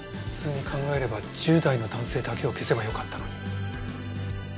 普通に考えれば１０代の男性だけを消せばよかったのに。